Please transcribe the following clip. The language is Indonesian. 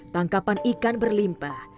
tangkapan ikan berlimpah